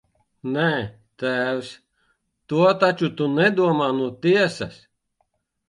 Nē, tēvs, to taču tu nedomā no tiesas!